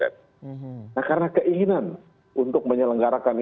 nah karena keinginan untuk menyelenggarakan ini